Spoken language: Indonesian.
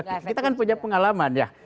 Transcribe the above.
kita kan punya pengalaman ya